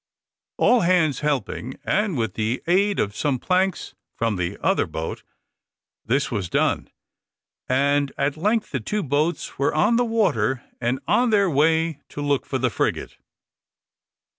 All hands helping, and with the aid of some planks from the other boat, this was done, and at length the two boats were on the water, on their way to look for the frigate.